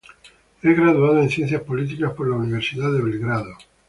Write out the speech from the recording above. Es graduado en Ciencias Políticas por la Universidad de Belgrado.